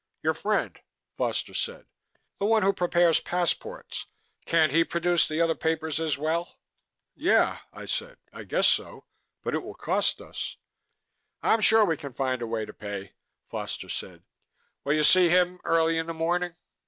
"Your friend," Foster said. "The one who prepares passports. Can't he produce the other papers as well?" "Yeah," I said. "I guess so. But it will cost us." "I'm sure we can find a way to pay," Foster said. "Will you see him early in the morning?"